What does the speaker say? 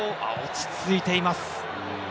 落ち着いています。